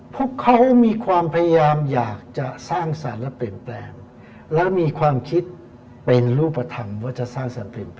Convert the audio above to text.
พวกเขามีความพยายามอยากจะสร้างสรรค์และเปลี่ยนแปลง